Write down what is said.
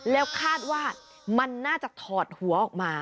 แล้วคาดว่ามันน่าจะถอดหัวออกมา